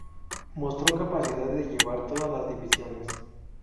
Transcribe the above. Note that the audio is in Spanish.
Mostró capacidad de llevar todas las divisiones.